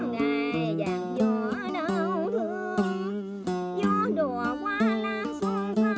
thương quá lá xuân sao